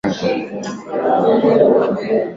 na alichofanya ni kuwinda wanyama anaoweza kula